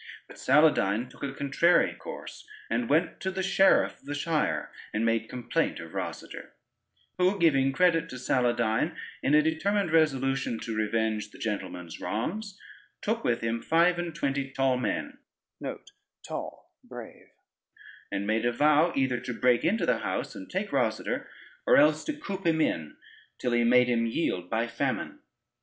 But Saladyne took a contrary course, and went to the sheriff of the shire and made complaint of Rosader, who giving credit to Saladyne, in a determined resolution to revenge the gentleman's wrongs, took with him five and twenty tall men, and made a vow, either to break into the house and take Rosader, or else to coop him in till he made him yield by famine.